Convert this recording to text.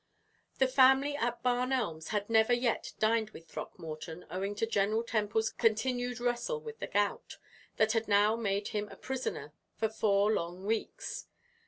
The family at Barn Elms had never yet dined with Throckmorton, owing to General Temple's continued wrestle with the gout, that had now made him a prisoner for four long weeks.